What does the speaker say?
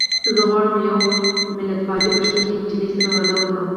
زه غواړم له يوې ملتپالې پښتنې نجيلۍ سره واده کوم.